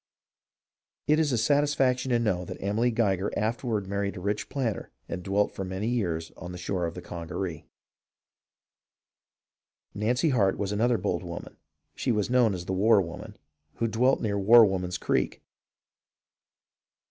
It is a satisfaction to know that Emily Geiger afterward married a rich planter and dwelt for many years on the shore of the Congaree. Nancy Hart was another bold woman (she was known as the "war woman"), who dwelt near War Woman's Creek.